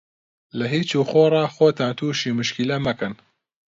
لە هیچ و خۆڕا خۆتان تووشی مشکیلە مەکەن.